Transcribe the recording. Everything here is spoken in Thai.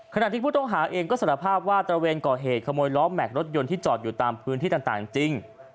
ขณะที่ผู้ต้องหาเองก็สารภาพว่าตระเวนก่อเหตุขโมยล้อแม็กซรถยนต์ที่จอดอยู่ตามพื้นที่ต่างจริง